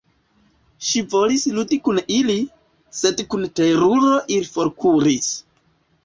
Ŝi volis ludi kun ili, sed kun teruro ili forkuris.